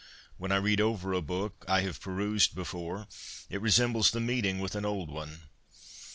When I read over a book 1 have perused before, it resembles the meeting with an old one.'